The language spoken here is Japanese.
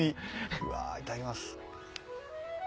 うわいただきます。